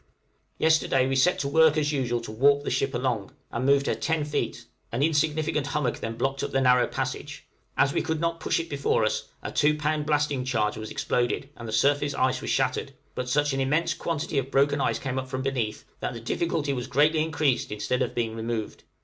] Yesterday we set to work as usual to warp the ship along, and moved her ten feet: an insignificant hummock then blocked up the narrow passage; as we could not push it before us, a two pound blasting charge was exploded, and the surface ice was shattered, but such an immense quantity of broken ice came up from beneath, that the difficulty was greatly increased instead of being removed.